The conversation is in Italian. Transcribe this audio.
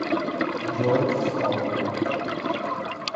George Stoll